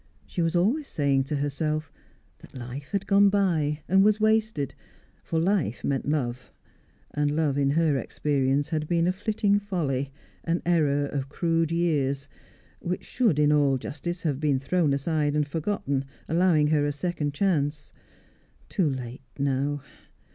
She was always saying to herself that life had gone by, and was wasted; for life meant love, and love in her experience had been a flitting folly, an error of crude years, which should, in all justice, have been thrown aside and forgotten, allowing her a second chance. Too late, now.